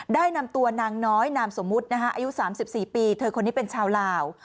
ได้นำตัวนางน้อยนามสมมุติอายุ๓๔ปีเธอคนนี้เป็นชาวลาว